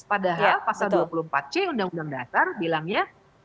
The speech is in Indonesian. padahal pasal dua puluh empat c undang undang dasar bilangnya